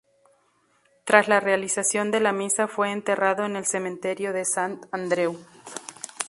Tras la realización de la misa fue enterrado en el cementerio de Sant Andreu.